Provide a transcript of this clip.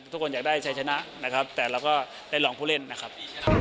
ทุกคนอยากได้ชัยชนะนะครับแต่เราก็ได้ลองผู้เล่นนะครับ